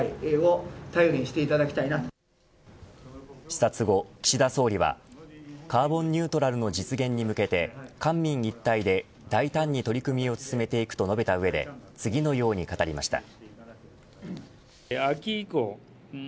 視察後、岸田総理はカーボンニュートラルの実現に向けて官民一体で大胆に取り組みを進めていくと述べた上で次のように語りました。